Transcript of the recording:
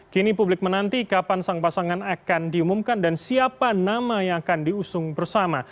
kini publik menanti kapan sang pasangan akan diumumkan dan siapa nama yang akan diusung bersama